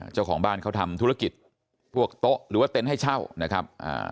เจ้าของบ้านเขาทำธุรกิจพวกโต๊ะหรือว่าเต็นต์ให้เช่านะครับอ่า